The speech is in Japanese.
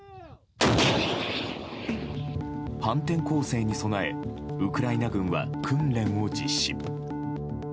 反転攻勢に備えウクライナ軍は訓練を実施。